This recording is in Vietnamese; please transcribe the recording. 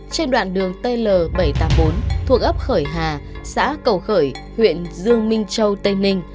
trên đoạn đường tl bảy trăm tám mươi bốn thuộc ấp khởi hà xã cầu khởi huyện dương minh châu tây ninh